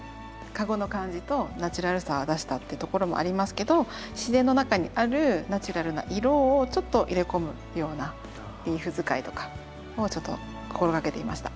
カゴの感じとナチュラルさを出したってところもありますけど自然の中にあるナチュラルな色をちょっと入れ込むようなリーフ使いとかをちょっと心掛けてみました。